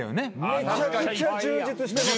・めちゃくちゃ充実してます。